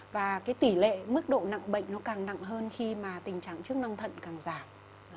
và cái tỷ lệ mức độ nặng bệnh nó càng nặng hơn khi mà tình trạng chức năng thận càng giảm